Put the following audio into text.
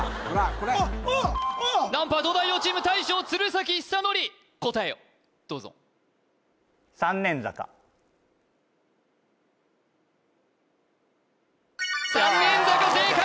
これランプは東大王チーム大将鶴崎修功答えをどうぞ三年坂正解！